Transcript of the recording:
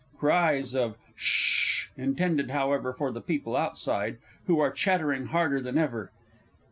[_Cries of "Ssh!" intended, however, for the people outside, who are chattering harder than ever.